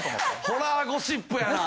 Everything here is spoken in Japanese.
・ホラーゴシップやな。